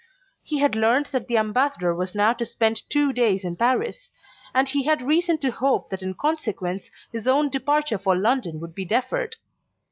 He had learned that the Ambassador was to spend two days in Paris, and he had reason to hope that in consequence his own departure for London would be deferred.